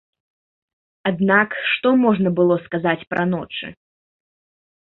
Аднак, што можна было сказаць пра ночы?